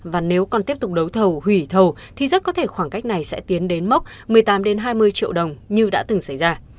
và nếu còn tiếp tục đấu thầu hủy thầu thì rất có thể khoảng cách này sẽ tiến đến mốc một mươi tám hai mươi triệu đồng như đã từng xảy ra